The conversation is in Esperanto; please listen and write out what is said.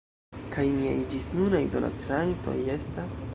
Kaj miaj ĝisnunaj donacantoj estas....